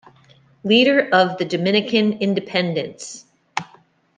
Leader of the Dominican independence.